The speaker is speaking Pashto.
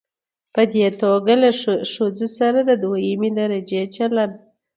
په دې توګه له ښځو سره د دويمې درجې چلن